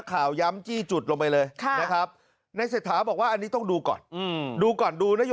ไปเจอที่ไหนอ่ะ